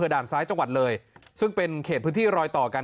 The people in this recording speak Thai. ด่านซ้ายจังหวัดเลยซึ่งเป็นเขตพื้นที่รอยต่อกัน